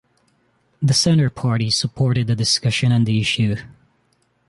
The Centre Party supported a discussion on the issue.